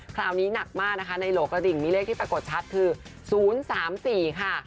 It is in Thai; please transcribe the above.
คราวนี้หนักมากนะคะในโหลกระดิ่งมีเลขที่ปรากฏชัดคือ๐๓๔ค่ะ